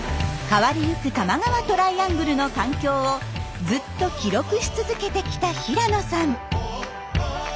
変わりゆく多摩川トライアングルの環境をずっと記録し続けてきた平野さん。